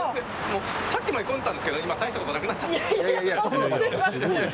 さっきまで混んでたんですけど今、大したことなくなっちゃって。